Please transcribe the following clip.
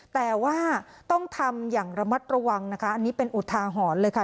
แต่ว่าต้องทำอย่างระมัดระวังนะคะอันนี้เป็นอุทาหรณ์เลยค่ะ